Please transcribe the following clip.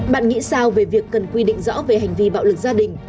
bạn nghĩ sao về việc cần quy định rõ về hành vi bạo lực gia đình